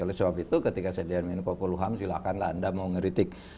oleh sebab itu ketika saya jadi menko poluham silahkanlah anda mau ngeritik